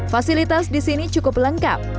fasilitas di sini cukup lengkap